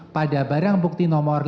pada barang bukti nomor delapan